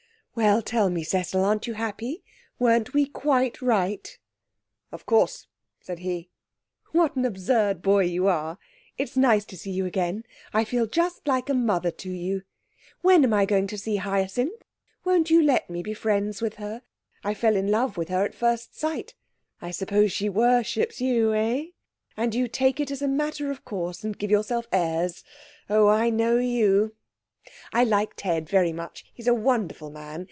'Well, tell me, Cecil, aren't you happy? Weren't we quite right?' 'Of course,' said he. 'What an absurd boy you are. It's nice to see you again. I feel just like a mother to you. When am I going to see Hyacinth? Why won't you let me be friends with her? I fell in love with her at first sight. I suppose she worships you, eh? And you take it as a matter of course, and give yourself airs. Oh, I know you! I like Ted very much. He's a wonderful man.